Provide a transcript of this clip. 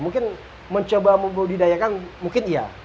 mungkin mencoba membudidayakan mungkin iya